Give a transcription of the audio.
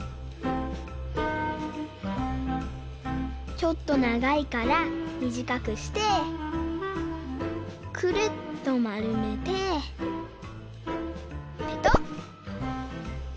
ちょっとながいからみじかくしてくるっとまるめてペトッ！